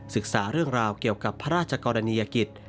ศึกษาเรื่องราวเกี่ยวกับพระราชกรณียกิจ